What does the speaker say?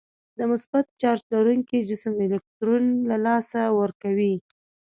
د مثبت چارج لرونکی جسم الکترون له لاسه ورکوي.